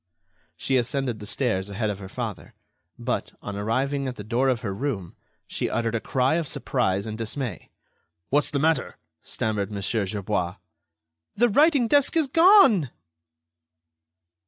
She ascended the stairs ahead of her father, but, on arriving at the door of her room, she uttered a cry of surprise and dismay. "What's the matter?" stammered Mon. Gerbois. "The writing desk is gone!"